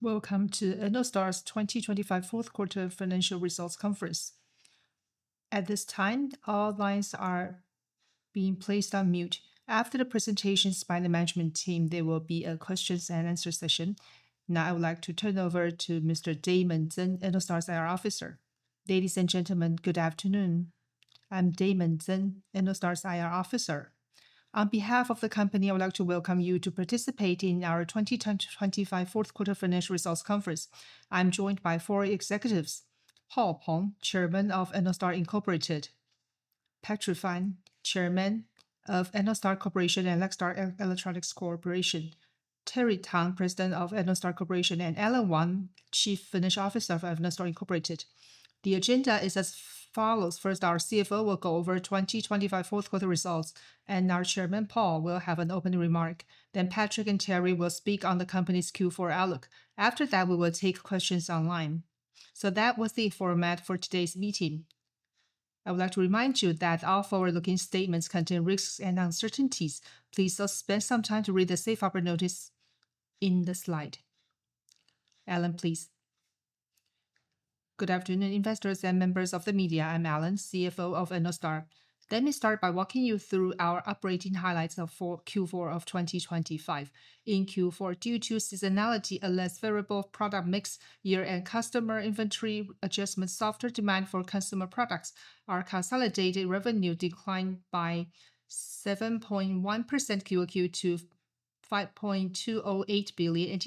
Welcome to Ennostar's 2025 fourth quarter financial results conference. At this time, all lines are being placed on mute. After the presentations by the management team, there will be a questions and answer session. Now, I would like to turn over to Mr. Damon Tzeng, Ennostar's IR Officer. Ladies and gentlemen, good afternoon. I'm Damon Tzeng, Ennostar's IR Officer. On behalf of the company, I would like to welcome you to participate in our 2025 fourth quarter financial results conference. I'm joined by four executives, Paul Peng, Chairman of Ennostar Inc., Patrick Fan, Chairman of Ennostar Corporation and Lextar Electronics Corporation, Terry Tang, President of Ennostar Corporation, and Alan Wang, Chief Financial Officer of Ennostar Inc.. The agenda is as follows. First, our CFO will go over 2025 fourth quarter results, and our Chairman, Paul, will have an opening remark. Patrick and Terry will speak on the company's Q4 outlook. After that, we will take questions online. That was the format for today's meeting. I would like to remind you that all forward-looking statements contain risks and uncertainties. Please spend some time to read the safe harbor notice in the slide. Alan, please. Good afternoon, investors and members of the media. I'm Alan, CFO of Ennostar. Let me start by walking you through our operating highlights of for Q4 of 2025. In Q4, due to seasonality, a less favorable product mix, year-end customer inventory adjustments, softer demand for consumer products, our consolidated revenue declined by 7.1% QOQ to NTD 5.208 billion.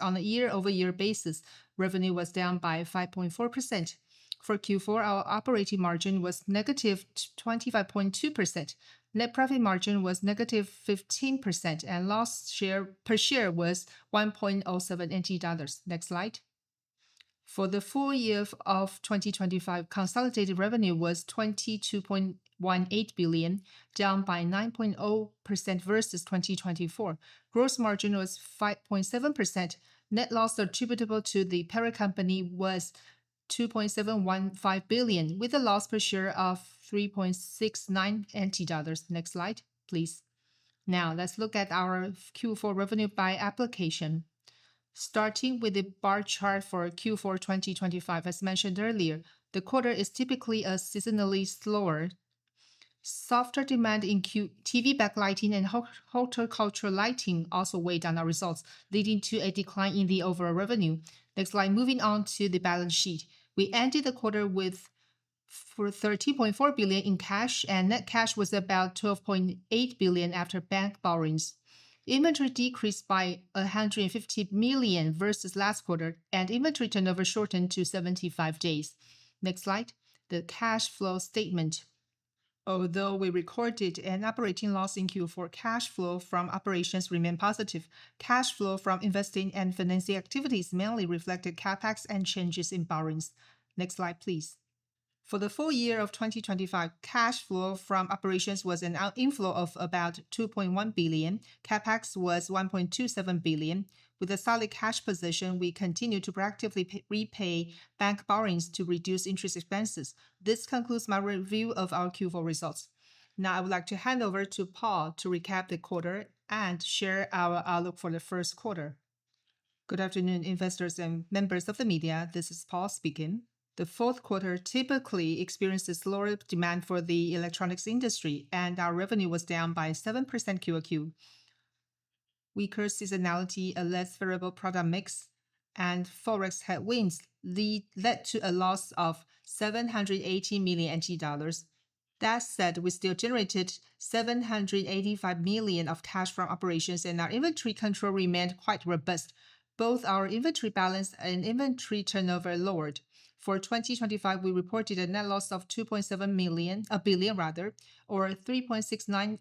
On a year-over-year basis, revenue was down by 5.4%. For Q4, our operating margin was negative 25.2%. Net profit margin was -15%. Loss per share was 1.07 NT dollars. Next slide. For the full year of 2025, consolidated revenue was 22.18 billion, down by 9.0% versus 2024. Gross margin was 5.7%. Net loss attributable to the parent company was 2.715 billion, with a loss per share of 3.69 NT dollars. Next slide, please. Let's look at our Q4 revenue by application. Starting with the bar chart for Q4 2025, as mentioned earlier, the quarter is typically seasonally slower. Softer demand in TV backlighting and horticultural lighting also weighed on our results, leading to a decline in the overall revenue. Next slide. Moving on to the balance sheet. We ended the quarter with 30.4 billion in cash. Net cash was about 12.8 billion after bank borrowings. Inventory decreased by 150 million versus last quarter. Inventory turnover shortened to 75 days. Next slide. The cash flow statement. Although we recorded an operating loss in Q4, cash flow from operations remained positive. Cash flow from investing and financing activities mainly reflected CapEx and changes in borrowings. Next slide, please. For the full year of 2025, cash flow from operations was an inflow of about 2.1 billion. CapEx was 1.27 billion. With a solid cash position, we continued to proactively repay bank borrowings to reduce interest expenses. This concludes my review of our Q4 results. I would like to hand over to Paul to recap the quarter and share our outlook for the first quarter. Good afternoon, investors and members of the media. This is Paul speaking. The fourth quarter typically experiences lower demand for the electronics industry, our revenue was down by 7% QoQ. Weaker seasonality, a less favorable product mix, and forex headwinds led to a loss of 780 million NT dollars. That said, we still generated 785 million of cash from operations, our inventory control remained quite robust. Both our inventory balance and inventory turnover lowered. For 2025, we reported a net loss of 2.7 billion, or 3.69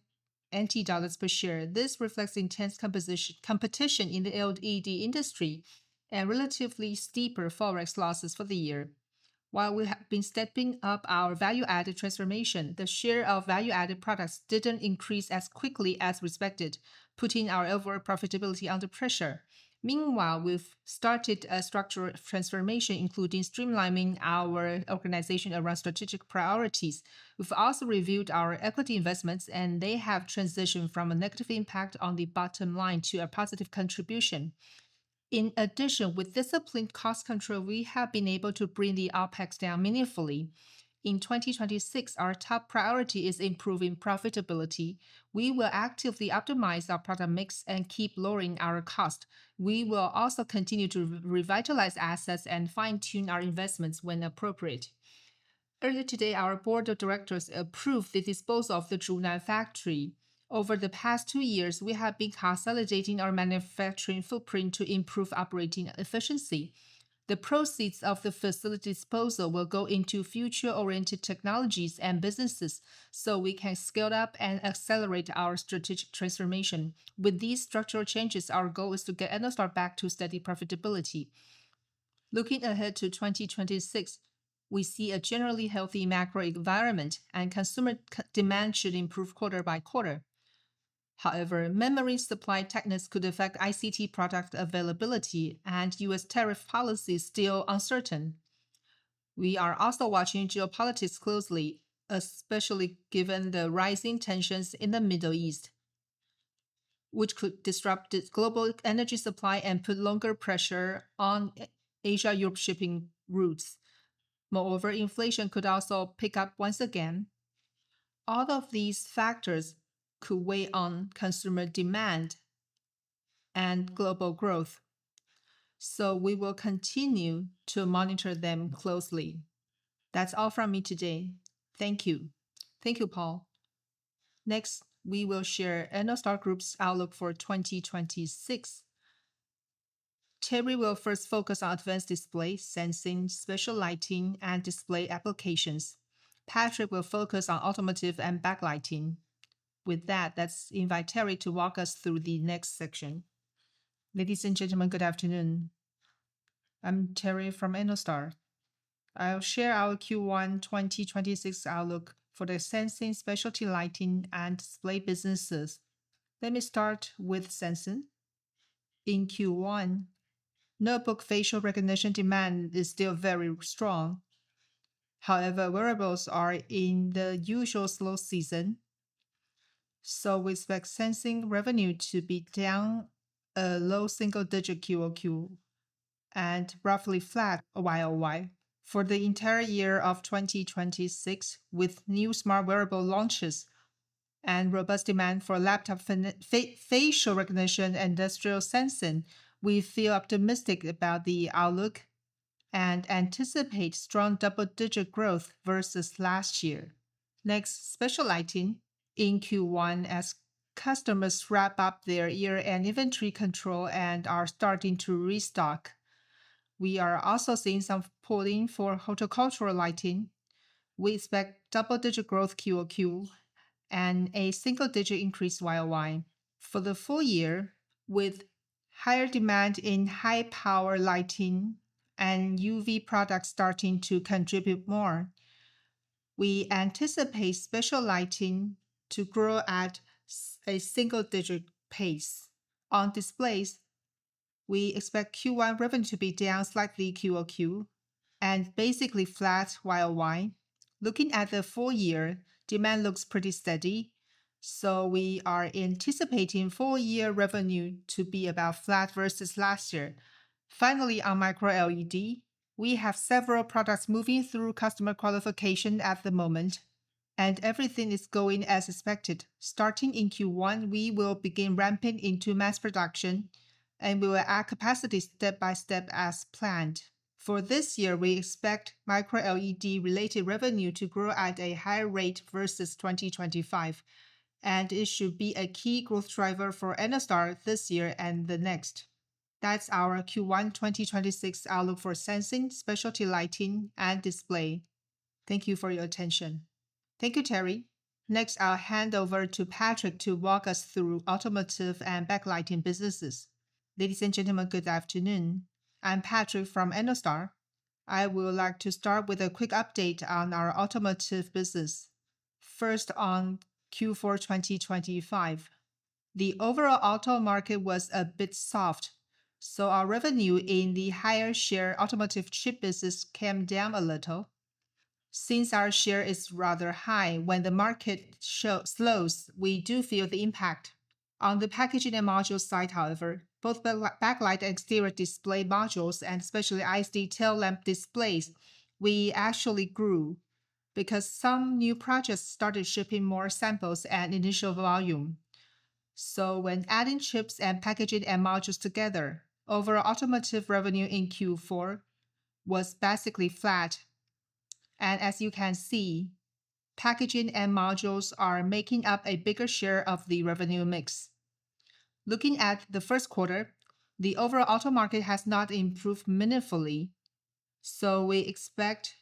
NT dollars per share. This reflects intense competition in the LED industry and relatively steeper forex losses for the year. While we have been stepping up our value-added transformation, the share of value-added products didn't increase as quickly as respected, putting our overall profitability under pressure. Meanwhile, we've started a structural transformation, including streamlining our organization around strategic priorities. We've also reviewed our equity investments, they have transitioned from a negative impact on the bottom line to a positive contribution. In addition, with disciplined cost control, we have been able to bring the OpEx down meaningfully. In 2026, our top priority is improving profitability. We will actively optimize our product mix and keep lowering our cost. We will also continue to revitalize assets and fine-tune our investments when appropriate. Earlier today, our board of directors approved the disposal of the Zhunan factory. Over the past two years, we have been consolidating our manufacturing footprint to improve operating efficiency. The proceeds of the facility disposal will go into future-oriented technologies and businesses, so we can scale up and accelerate our strategic transformation. With these structural changes, our goal is to get Ennostar back to steady profitability. Looking ahead to 2026, we see a generally healthy macro environment and consumer demand should improve quarter by quarter. However, memory supply tightness could affect ICT product availability and U.S. tariff policy is still uncertain. We are also watching geopolitics closely, especially given the rising tensions in the Middle East, which could disrupt the global energy supply and put longer pressure on Asia, Europe shipping routes. Moreover, inflation could also pick up once again. All of these factors could weigh on consumer demand and global growth. We will continue to monitor them closely. That's all from me today. Thank you. Thank you, Paul. Next, we will share Ennostar Group's outlook for 2026. Terry will first focus on advanced display, sensing, specialty lighting, and display applications. Patrick will focus on automotive and backlighting. With that, let's invite Terry to walk us through the next section. Ladies and gentlemen, good afternoon. I'm Terry from Ennostar. I'll share our Q1 2026 outlook for the sensing, specialty lighting, and display businesses. Let me start with sensing. In Q1, notebook facial recognition demand is still very strong. However, wearables are in the usual slow season, so we expect sensing revenue to be down a low single digit QOQ and roughly flat YOY. For the entire year of 2026, with new smart wearable launches and robust demand for laptop facial recognition industrial sensing, we feel optimistic about the outlook and anticipate strong double-digit growth versus last year. Next, specialty lighting. In Q1, as customers wrap up their year-end inventory control and are starting to restock, we are also seeing some pulling for horticultural lighting. We expect double-digit growth QOQ and a single digit increase YOY. For the full year, with higher demand in high power lighting and UV products starting to contribute more, we anticipate special lighting to grow at a single digit pace. On displays, we expect Q1 revenue to be down slightly QOQ and basically flat YOY. Looking at the full year, demand looks pretty steady, so we are anticipating full year revenue to be about flat versus last year. Finally, on micro-LED, we have several products moving through customer qualification at the moment, and everything is going as expected. Starting in Q1, we will begin ramping into mass production, and we will add capacity step by step as planned. For this year, we expect micro-LED related revenue to grow at a higher rate versus 2025. It should be a key growth driver for Ennostar this year and the next. That's our Q1 2026 outlook for sensing, specialty lighting, and display. Thank you for your attention. Thank you, Terry. I'll hand over to Patrick to walk us through automotive and backlighting businesses. Ladies and gentlemen, good afternoon. I'm Patrick from Ennostar. I would like to start with a quick update on our automotive business. On Q4 2025, the overall auto market was a bit soft. Our revenue in the higher share automotive chip business came down a little. Since our share is rather high, when the market slows, we do feel the impact. On the packaging and module side, however, both backlight and exterior display modules, and especially ISD tail lamp displays, we actually grew because some new projects started shipping more samples at initial volume. When adding chips and packaging and modules together, overall automotive revenue in Q4 was basically flat. As you can see, packaging and modules are making up a bigger share of the revenue mix. Looking at the first quarter, the overall auto market has not improved meaningfully, so we expect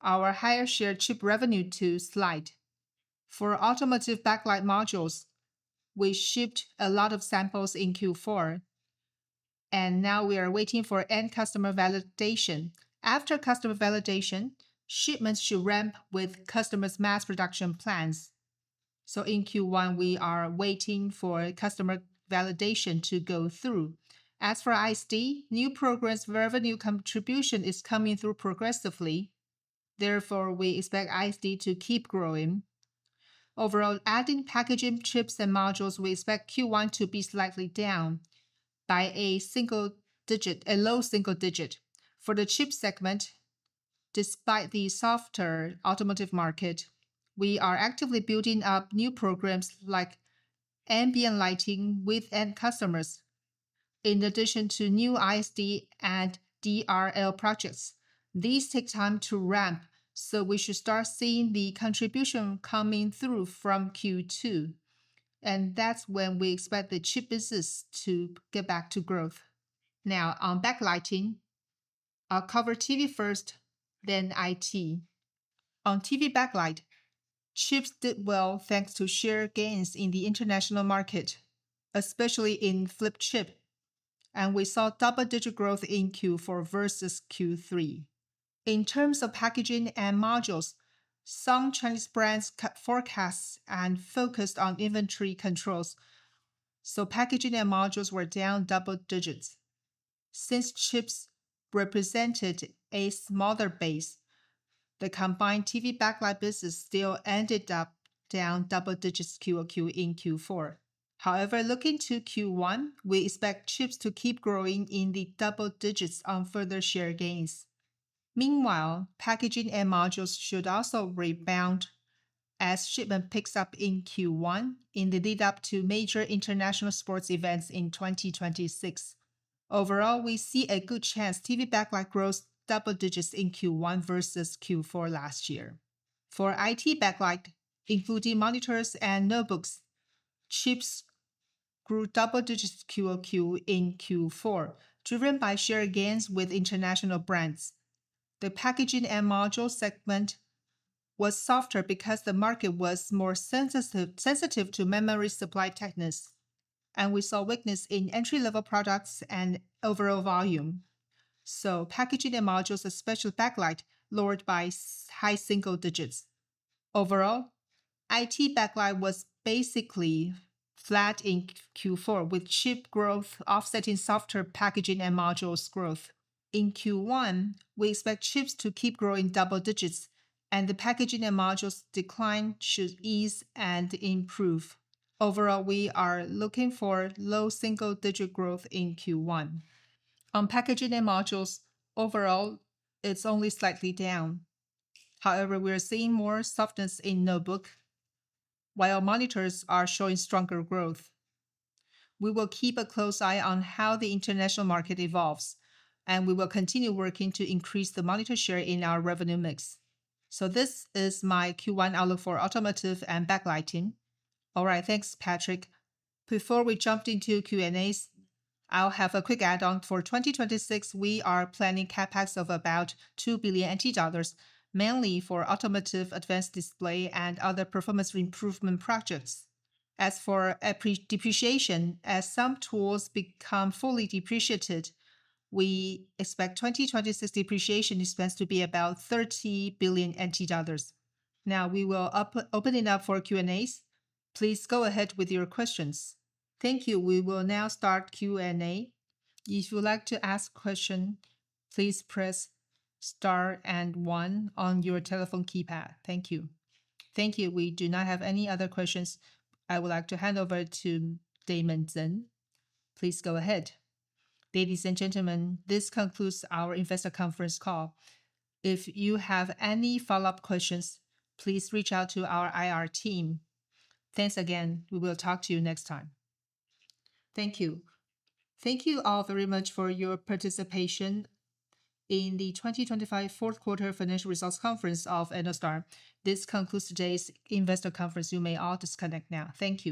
our higher share chip revenue to slide. For automotive backlight modules, we shipped a lot of samples in Q4, and now we are waiting for end customer validation. After customer validation, shipments should ramp with customers' mass production plans. In Q1, we are waiting for customer validation to go through. As for ISD, new progress revenue contribution is coming through progressively. Therefore, we expect ISD to keep growing. Overall, adding packaging, chips, and modules, we expect Q1 to be slightly down by a single digit, a low single digit. For the chip segment, despite the softer automotive market, we are actively building up new programs like ambient lighting with end customers, in addition to new ISD and DRL projects. These take time to ramp, so we should start seeing the contribution coming through from Q2, and that's when we expect the chip business to get back to growth. Now, on backlighting, I'll cover TV first, then IT. On TV backlight, chips did well thanks to share gains in the international market, especially in flip chip, and we saw double-digit growth in Q4 versus Q3. In terms of packaging and modules, some Chinese brands cut forecasts and focused on inventory controls. Packaging and modules were down double digits. Since chips represented a smaller base, the combined TV backlight business still ended up down double digits QOQ in Q4. Looking to Q1, we expect chips to keep growing in the double digits on further share gains. Packaging and modules should also rebound as shipment picks up in Q1 in the lead up to major international sports events in 2026. We see a good chance TV backlight grows double digits in Q1 versus Q4 last year. For IT backlight, including monitors and notebooks, chips grew double digits QOQ in Q4, driven by share gains with international brands. The packaging and module segment was softer because the market was more sensitive to memory supply tightness, and we saw weakness in entry-level products and overall volume. Packaging and modules, especially backlight, lowered by high single digits. Overall, IT backlight was basically flat in Q4, with chip growth offsetting softer packaging and modules growth. In Q1, we expect chips to keep growing double digits, and the packaging and modules decline should ease and improve. Overall, we are looking for low single-digit growth in Q1. On packaging and modules, overall, it's only slightly down. We are seeing more softness in notebook, while monitors are showing stronger growth. We will keep a close eye on how the international market evolves, and we will continue working to increase the monitor share in our revenue mix. This is my Q1 outlook for automotive and backlighting. All right. Thanks, Patrick. Before we jumped into Q&As, I'll have a quick add-on. For 2026, we are planning CapEx of about 2 billion NT dollars, mainly for automotive, advanced display, and other performance improvement projects. As for depreciation, as some tools become fully depreciated, we expect 2026 depreciation expense to be about 30 billion NT dollars. We will open it up for Q&As. Please go ahead with your questions. Thank you. We will now start Q&A. If you would like to ask question, please press star and one on your telephone keypad. Thank you. Thank you. We do not have any other questions. I would like to hand over to Damon Tzeng. Please go ahead. Ladies and gentlemen, this concludes our investor conference call. If you have any follow-up questions, please reach out to our IR team. Thanks again. We will talk to you next time. Thank you. Thank you all very much for your participation in the 2025 fourth quarter financial results conference of Ennostar. This concludes today's investor conference. You may all disconnect now. Thank you.